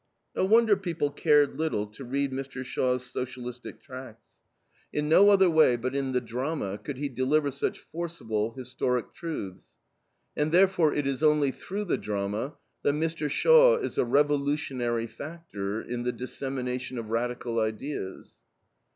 No wonder people cared little to read Mr. Shaw's Socialistic tracts. In no other way but in the drama could he deliver such forcible, historic truths. And therefore it is only through the drama that Mr. Shaw is a revolutionary factor in the dissemination of radical ideas.